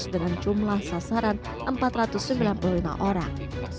dengan jumlah sasaran empat ratus sembilan puluh lima orang